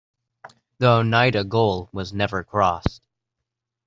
The Oneida goal was never crossed.